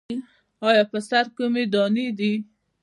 ایا په سر کې مو دانې دي؟